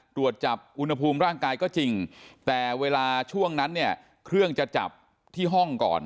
ตรวจจับอุณหภูมิร่างกายก็จริงแต่เวลาช่วงนั้นเนี่ยเครื่องจะจับที่ห้องก่อน